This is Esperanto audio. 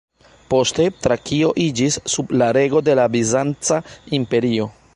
Poste, Trakio iĝis sub la rego de la Bizanca Imperio.